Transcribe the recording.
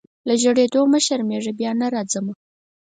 له ژړېدلو مي شرمېږمه بیا نه راځمه